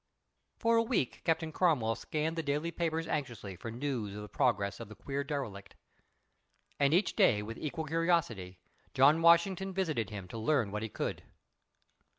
For a week Captain Cromwell scanned the daily papers anxiously for news of the progress of the queer derelict. And each day, with equal curiosity, John Washington visited him to learn what he could.